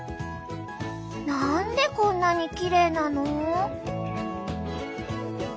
何でこんなにきれいなの？